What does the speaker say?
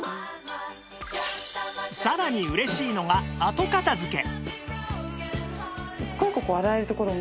さらに嬉しいのが後片付け